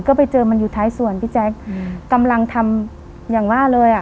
ก็ไปเจอมันอยู่ท้ายส่วนพี่แจ๊คอืมกำลังทำอย่างว่าเลยอ่ะ